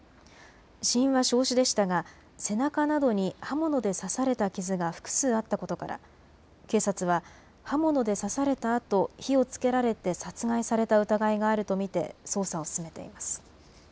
死因は焼死でしたが背中などに刃物で刺された傷が複数あったことから警察は刃物で刺されたあと火をつけられて殺害された疑いがあると見て捜査を進めています。